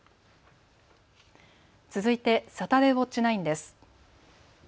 サタデーウオッチ９です。